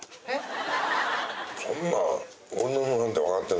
えっ！？